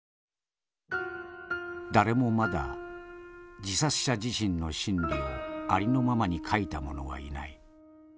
「誰もまだ自殺者自身の心理をありのままに書いた者はいない。